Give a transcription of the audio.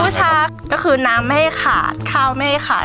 ชักก็คือน้ำไม่ให้ขาดข้าวไม่ได้ขาด